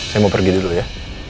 saya mau pergi dulu ya